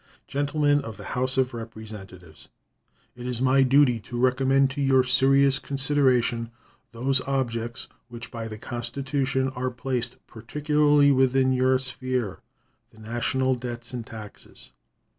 Gentlemen of the House of Representatives: It is my duty to recommend to your serious consideration those objects which by the Constitution are placed particularly within your sphere the national debts and taxes.